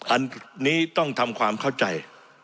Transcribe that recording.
อันนี้ต้องทำความเข้าใจ